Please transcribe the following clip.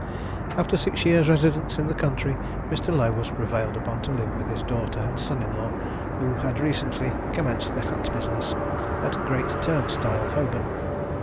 After six years' residence in the country, Mr. Lowe was prevailed upon to live with his daughter and son in law, who had recently commenced the hat business at Great Turnstile, Holborn.